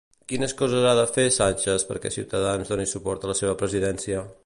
Quines coses ha de fer Sánchez perquè Ciutadans doni suport a la seva presidència?